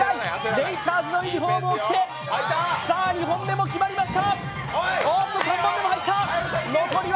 レイカーズのユニフォームを着て２本目も決まりました！